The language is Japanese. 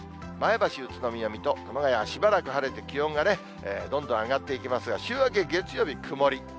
前橋、宇都宮、水戸、熊谷はしばらく晴れて気温がね、どんどん上がっていきますが、週明け月曜日曇り。